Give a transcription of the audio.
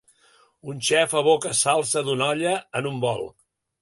Un xef aboca salsa d'una olla en un bol